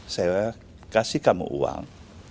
saya kasih kamu uang